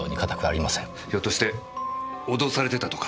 ひょっとして脅されてたとか？